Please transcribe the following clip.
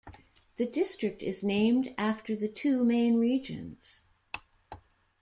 The district is named after the two main regions.